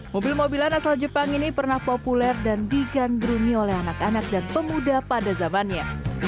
mobil mobilan asal jepang ini pernah populer dan digandrungi oleh anak anak dan pemuda pada zamannya